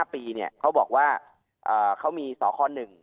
๕ปีเขาบอกว่าเขามีสค๑